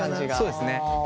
そうですね。